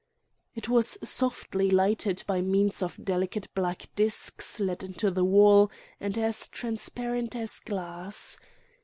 It was softly lighted by means of delicate black discs let into the wall and as transparent as glass.